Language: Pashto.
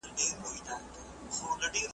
څه سړي وه څه د سپيو هم غپا سوه ,